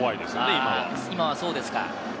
今はそうですか。